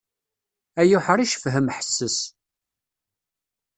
Ay uḥric fhem ḥesses.